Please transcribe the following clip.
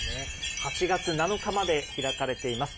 ８月７日まで開かれています。